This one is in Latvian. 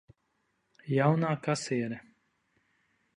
Jaunā kasiere.